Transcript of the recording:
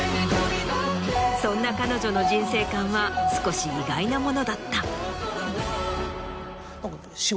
そんな彼女の人生観は少し意外なものだった。